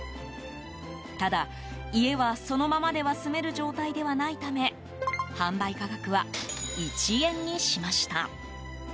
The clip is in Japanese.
ただ家は、そのままでは住める状態ではないため販売価格は１円にしました。